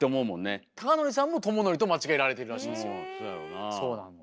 孝則さんも智則と間違えられてるらしいんですよ。